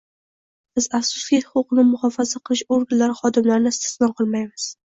Biz, afsuski, huquqni muhofaza qilish organlari xodimlarini istisno qilmaymiz